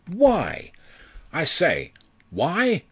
why? I say. Why!